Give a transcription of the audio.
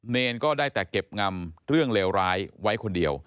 เนรก็ได้แต่เก็บงำเรื่องเลวร้ายไว้คนเดียว